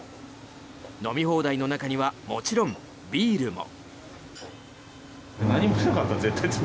飲み放題の中にはもちろんビールも。